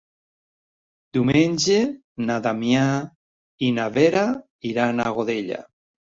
Diumenge na Damià i na Vera iran a Godella.